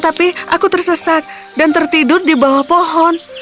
tapi aku tersesat dan tertidur di bawah pohon